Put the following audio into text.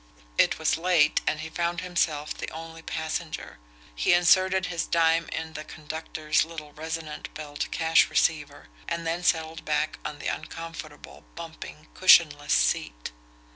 It was late, and he found himself the only passenger. He inserted his dime in the conductor's little resonant belled cash receiver, and then settled back on the uncomfortable, bumping, cushionless seat.